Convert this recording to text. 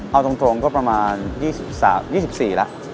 เอาตรงก็ประมาณ๒๔แล้ว